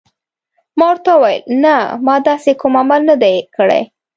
ما ورته وویل: نه، ما داسې کوم عمل نه دی کړی.